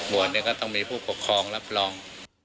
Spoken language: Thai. บวชเนี่ยก็ต้องมีผู้ปกครองรับรอง